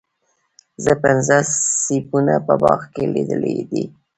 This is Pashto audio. زه پنځه سیبونه په باغ کې لیدلي دي.